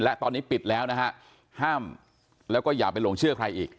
และตอนนี้ปิดแล้วนะฮะห้ามแล้วก็อย่าไปหลงเชื่อใครอีก